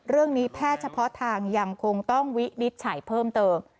แพทย์เฉพาะทางยังคงต้องวินิจฉัยเพิ่มเติม